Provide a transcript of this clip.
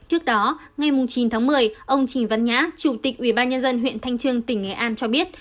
trước đó ngày chín tháng một mươi ông trình văn nhã chủ tịch ủy ban nhân dân huyện thanh trương tỉnh nghệ an cho biết